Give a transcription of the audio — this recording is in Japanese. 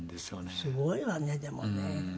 すごいわねでもね。